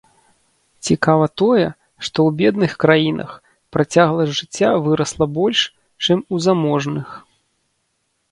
Цікава тое, што ў бедных краінах працягласць жыцця вырасла больш, чым у заможных.